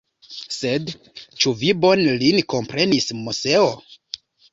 Sed, ĉu vi bone lin komprenis, Moseo?